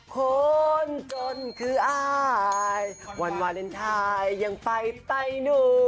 คนจนคืออายวันวาเลนไทยยังไปไปหนู